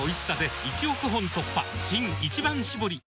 新「一番搾り」